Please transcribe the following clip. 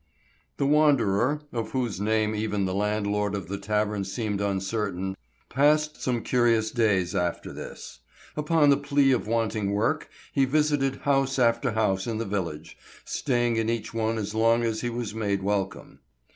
THE wanderer, of whose name even the landlord at the tavern seemed uncertain, passed some curious days after this. Upon the plea of wanting work, he visited house after house in the village, staying in each one as long as he was made welcome.